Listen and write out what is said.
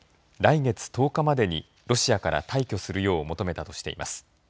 来月１０日までにロシアから退去するよう求めたとしています。